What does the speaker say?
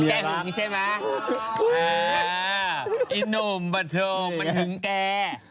อีหนุ่มโปรโมมันถึงแก